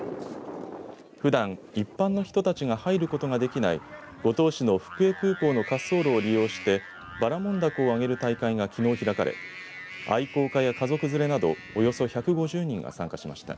ふだん一般の人たちが入ることができない五島市の福江空港の滑走路を利用してばらもん凧を揚げる大会が、きのう開かれ愛好家や、家族連れなどおよそ１５０人が参加しました。